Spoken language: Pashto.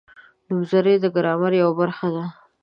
نومځري د ګرامر یوه برخه ده.